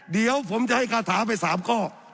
เดี๋ยวผมจะให้คาถาไป๓ข้อ